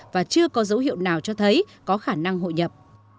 và chưa có dấu hiệu nào cho thấy có khả năng hội nhập